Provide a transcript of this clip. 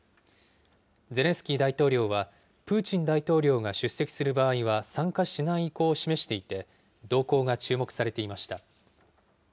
ゼレンスキー大統領は、プーチン大統領が出席する場合は参加しない意向を示していて、動向が注目されていました。